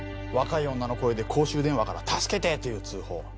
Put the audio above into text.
若い女の声で公衆電話から「助けて！」という通報